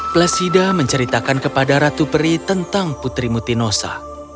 plesida menceritakan kepada ratu peri tentang putri mutinosa